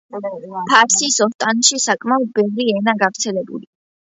ფარსის ოსტანში საკმაოდ ბევრი ენაა გავრცელებული.